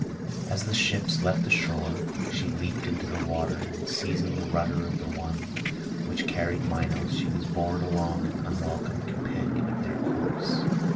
As the ships left the shore, she leaped into the water, and seizing the rudder of the one which carried Minos, she was borne along an unwelcome companion of their course.